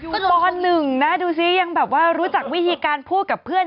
ม๑นะดูซิยังแบบว่ารู้จักวิธีการพูดกับเพื่อน